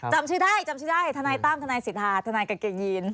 จำชื่อได้จำชื่อได้ทนายตั้มทนายสิทธาทนายกางเกงยีน